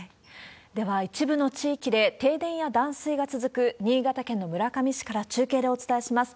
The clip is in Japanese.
では、一部の地域で停電や断水が続く新潟県の村上市から中継でお伝えします。